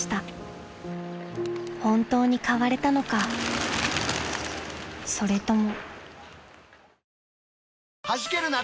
［本当に変われたのかそれとも］